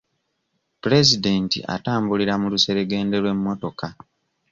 Pulezidenti atambulira mu luseregende lw'emmotoka.